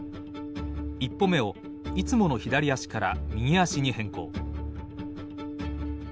１歩目をいつもの左足から右足に変更。